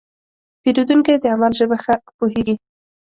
پیرودونکی د عمل ژبه ښه پوهېږي.